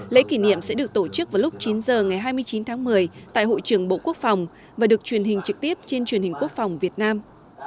lễ kỷ niệm sẽ được tổ chức vào lúc chín h ngày hai mươi chín tháng một mươi tại hội trường bộ quốc phòng và được truyền hình trực tiếp trên truyền hình quốc phòng việt nam